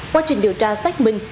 quá trình điều tra xác minh